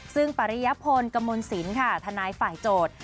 ซึ่งปริยพลกมลศิลป์ค่ะทนายฝ่ายโจทย์